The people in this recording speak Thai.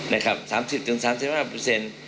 นะครับ๓๐๓๕เปอร์เซ็นต์